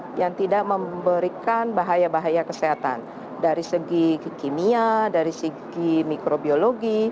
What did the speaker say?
yang tidak memberikan bahaya bahaya kesehatan dari segi kimia dari segi mikrobiologi